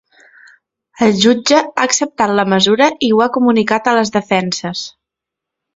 El jutge ha acceptat la mesura i ho ha comunicat a les defenses.